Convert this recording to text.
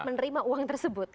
dia tetap menerima uang tersebut